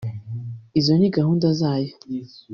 izo ni gahunda zayo